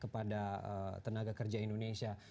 kepada tenaga kerja indonesia